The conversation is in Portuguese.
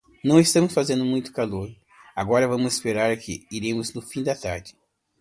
Não, está fazendo muito calor agora, vamos esperar que iremos no fim da tarde.